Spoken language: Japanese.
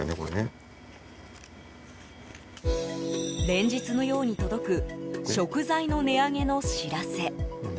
連日のように届く食材の値上げの知らせ。